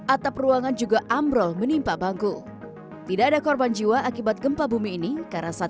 atap ruangan juga ambrol menimpa bangku tidak ada korban jiwa akibat gempa bumi ini karena saat